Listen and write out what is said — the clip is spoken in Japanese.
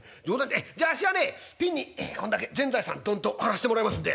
ええじゃああっしはねえピンにこんだけ全財産どんと張らせてもらいますんで」。